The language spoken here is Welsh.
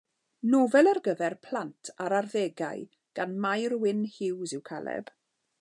Nofel ar gyfer plant a'r arddegau gan Mair Wynn Hughes yw Caleb.